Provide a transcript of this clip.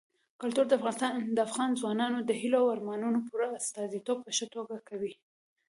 کلتور د افغان ځوانانو د هیلو او ارمانونو پوره استازیتوب په ښه توګه کوي.